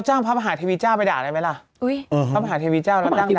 คือปกติมันจะมีอาชีพ